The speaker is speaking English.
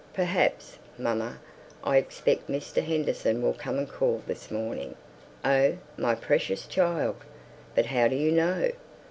"Perhaps. Mamma, I expect Mr. Henderson will come and call this morning." "Oh, my precious child! But how do you know?